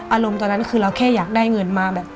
อารมณ์ตอนนั้นคือเราแค่อยากได้เงินมาแบบ